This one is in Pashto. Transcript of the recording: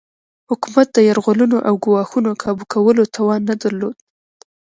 حکومت د یرغلونو او ګواښونو کابو کولو توان نه درلود.